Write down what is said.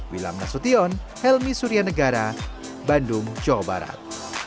wilam nasution helmi surya negara bandung jawa barat